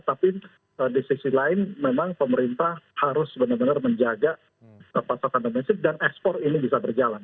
tapi di sisi lain memang pemerintah harus benar benar menjaga pasokan domestik dan ekspor ini bisa berjalan